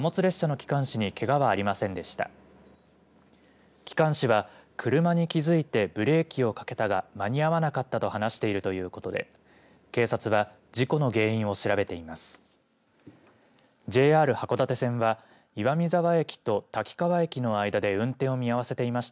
機関士は車に気づいてブレーキをかけたが間に合わなかったと話しているということで、警察は事故の原因を調べています。